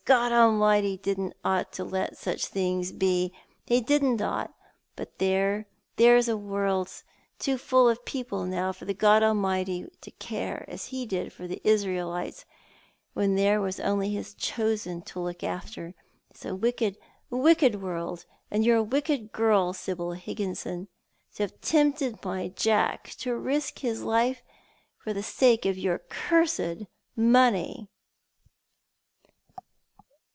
God Almighty didn't ought to let such things be. He didn't ought — but there, the world's too full of people now for God Almighty to care as He did for the Israelites, when there was only His chosen to look after. It's a wicked world — and you're a wicked girl, Sibyl Higginson, to have tempted my Jack to risk his life for the sake of your cursed money."